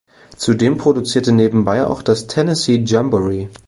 Zudem produzierte nebenbei auch das "Tennessee Jamboree".